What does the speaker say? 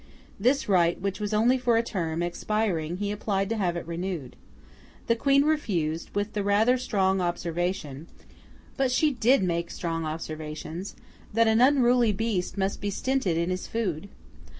This right, which was only for a term, expiring, he applied to have it renewed. The Queen refused, with the rather strong observation—but she did make strong observations—that an unruly beast must be stinted in his food.